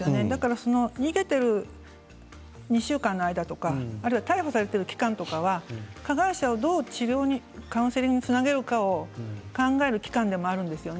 逃げている２週間の間とか逮捕されている期間は加害者をどう治療にカウンセリングにつなげるかということを考える機会でもあるんです。